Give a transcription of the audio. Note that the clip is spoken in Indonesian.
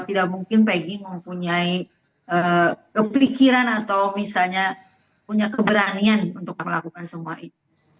tidak mungkin peggy mempunyai kepikiran atau misalnya punya keberanian untuk melakukan semua itu